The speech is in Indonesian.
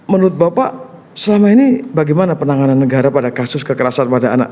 menurut bapak selama ini bagaimana penanganan negara pada kasus kekerasan pada anak